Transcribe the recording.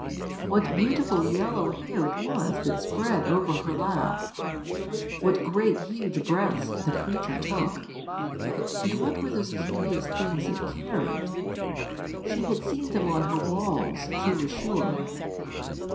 What beautiful yellow hair it was that spread over her lap! What great huge breaths the creature took! And what were those curious things it carried? She had seen them on her walls, she was sure.